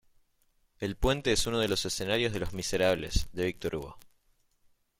El puente es uno de los escenarios de Los miserables de Victor Hugo.